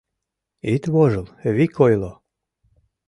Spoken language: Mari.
Ит вожыл, вик ойло.